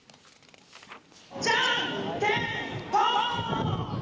じゃんけんぽん！